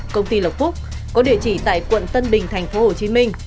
công ty lộc phúc có địa chỉ tại quận tân bình tp hcm